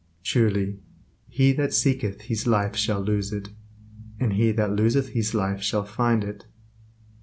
Truly, "He that seeketh his life shall lose it, and he that loseth his life shall find it."